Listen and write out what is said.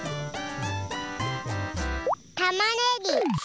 たまねぎ。